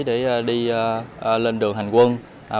để đi lên đường hành quân